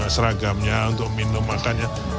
seragamnya untuk minum makannya